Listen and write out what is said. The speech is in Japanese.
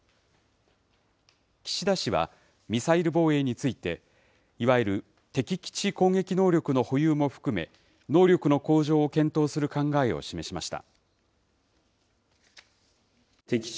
岸田氏はミサイル防衛について、いわゆる敵基地攻撃能力の保有も含め、能力の向上を検討する考えを示しました。